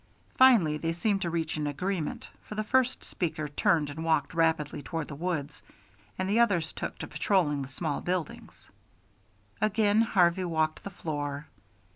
Finally they seemed to reach an agreement; for the first speaker turned and walked rapidly toward the woods, and the others took to patrolling the small building. Again Harvey walked the floor.